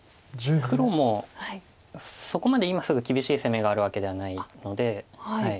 黒もそこまで今すぐ厳しい攻めがあるわけではないので。